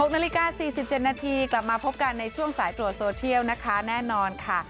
๖นาฬิกา๔๗นาทีกลับมาพบกันในช่วงสายตรวจโซเทียลนะคะแน่นอนค่ะ